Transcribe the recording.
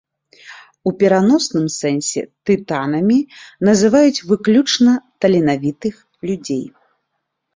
У пераносным сэнсе тытанамі называюць выключна таленавітых людзей.